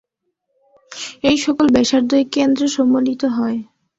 এই-সকল ব্যাসার্ধই কেন্দ্রে সম্মিলিত হয়।